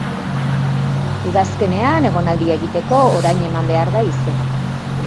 Udazkenean egonaldia egiteko orain eman behar da izena.